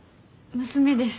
娘です。